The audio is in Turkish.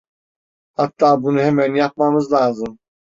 Hatta bunu hemen yapmamız lazım.